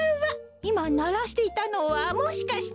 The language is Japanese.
いまならしていたのはもしかして。